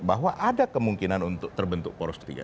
bahwa ada kemungkinan untuk terbentuk poros ketiga